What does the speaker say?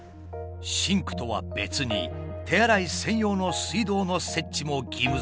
シンクとは別に手洗い専用の水道の設置も義務づけられている。